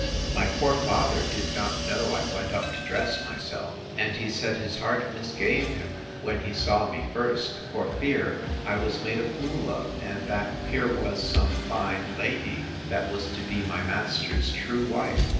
My poor father did not know I went up to dress myself; and he said his heart misgave him when he saw me first, for fear I was made a fool of, and that here was some fine lady that was to be my master's true wife.